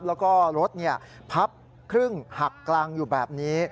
แล้วก็รถพับครึ่งหักกลางอยู่แบบนี้